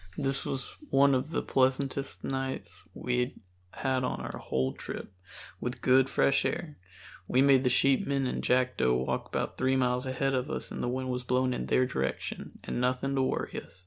This was one of the pleasantest nights we had on our whole trip, with good fresh air (we made the sheepmen and Jackdo walk about three miles ahead of us and the wind was blowing in their direction) and nothing to worry us.